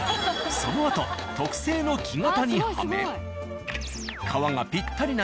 そのあと特製の木型にはめ。